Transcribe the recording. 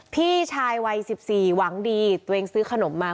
พี่ชายวัย๑๔หวังดีตัวเองซื้อขนมมา